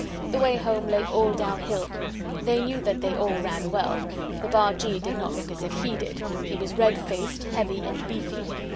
The way home lay all down hill. They knew that they all ran well. The Bargee did not look as if HE did. He was red faced, heavy, and beefy.